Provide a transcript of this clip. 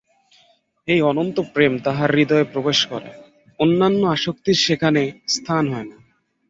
এই অনন্ত প্রেম তাঁহার হৃদয়ে প্রবেশ করে, অন্যান্য আসক্তির সেখানে স্থান হয় না।